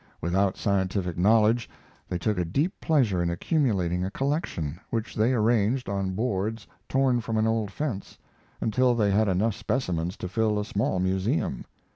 Without scientific knowledge, they took a deep pleasure in accumulating a collection, which they arranged on boards torn from an old fence, until they had enough specimens to fill a small museum.